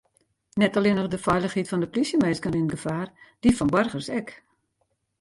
Net allinnich de feilichheid fan de plysjeminsken rint gefaar, dy fan boargers ek.